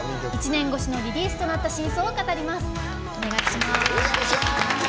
１年越しのリリースとなった真相を語ります。